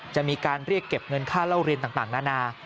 จะมีการเรียกเก็บเงินค่าเล่าเรียนต่างนานา